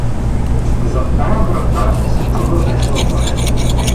Зад тая врата се чува весел глас.